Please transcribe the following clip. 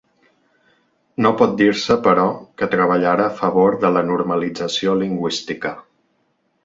No pot dir-se, però, que treballara a favor de la normalització lingüística.